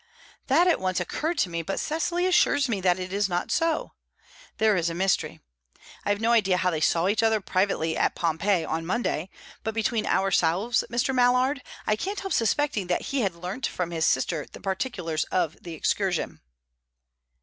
"That at once occurred to me, but Cecily assures me that is not so. There is a mystery. I have no idea how they saw each other privately at Pompeii on Monday. But, between ourselves, Mr. Mallard, I can't help suspecting that he had learnt from his sister the particulars of the excursion."